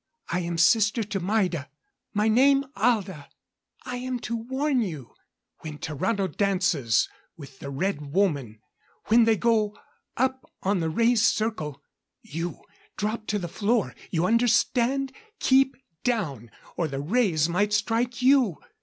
"I am sister to Maida my name, Alda. I am to warn you. When Tarrano dances with the Red Woman when they go up on the raised circle you drop to the floor! You understand? Keep down, or the rays might strike you!